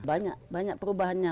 banyak banyak perubahannya